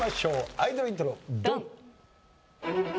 アイドルイントロドン！